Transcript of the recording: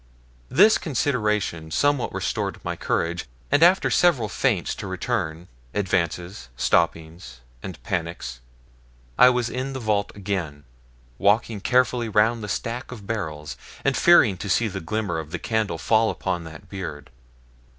This consideration somewhat restored my courage, and after several feints to return, advances, stoppings, and panics, I was in the vault again, walking carefully round the stack of barrels, and fearing to see the glimmer of the candle fall upon that beard.